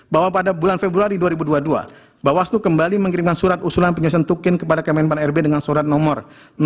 satu lima bahwa pada bulan februari dua ribu dua puluh dua bawaslu kembali mengirimkan surat usulan penyelesaian tukin kepada km empat rb dengan surat nomor tiga puluh enam dua ribu dua puluh dua